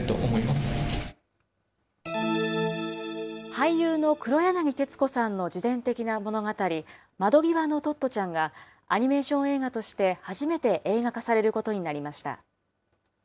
俳優の黒柳徹子さんの自伝的な物語、窓ぎわのトットちゃんが、アニメーション映画として初めて映画化されることになりました。